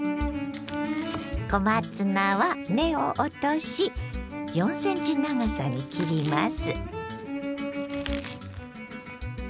小松菜は根を落とし４ｃｍ長さに切ります。